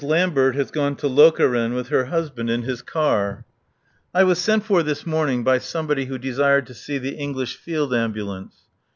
Lambert has gone to Lokeren with her husband in his car. I was sent for this morning by somebody who desired to see the English Field Ambulance.